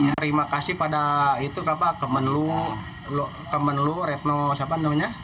terima kasih pada teman lu teman lu retno siapa namanya